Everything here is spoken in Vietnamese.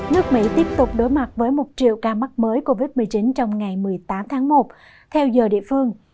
nước mỹ tiếp tục đối mặt với một triệu ca mắc mới covid một mươi chín trong ngày một mươi tám tháng một theo giờ địa phương